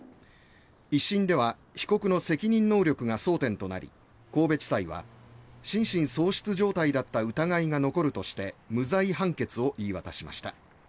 １審では被告の責任能力が争点となり神戸地裁は、心神喪失状態だった疑いが残るとして無罪判決を言い渡しました。